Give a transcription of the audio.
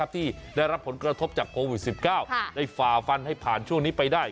ที่ได้รับผลกระทบจากโควิด๑๙ได้ฝ่าฟันให้ผ่านช่วงนี้ไปได้